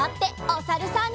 おさるさん。